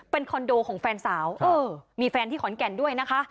เป็นคอนโดของแฟนสาวมีแฟนที่ขอนแก่นด้วยนะคะ